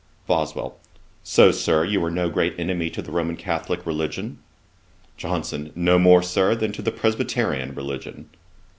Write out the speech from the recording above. BOSWELL. 'So, Sir, you are no great enemy to the Roman Catholick religion.' JOHNSON. 'No more, Sir, than to the Presbyterian religion.'